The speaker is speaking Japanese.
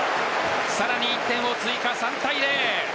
さらに１点を追加、３対０。